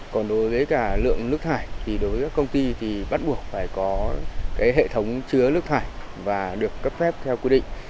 còn đối với cả lượng nước thải thì đối với các công ty thì bắt buộc phải có hệ thống chứa nước thải và được cấp phép theo quy định